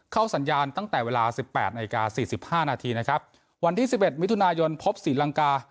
สัญญาณตั้งแต่เวลาสิบแปดนาฬิกาสี่สิบห้านาทีนะครับวันที่สิบเอ็ดมิถุนายนพบศรีลังกา